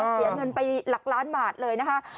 เสียเงินไปหลักล้านบาทเลยนะคะ